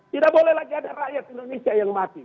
tidak boleh lagi ada rakyat indonesia yang mati